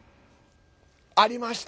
ありました。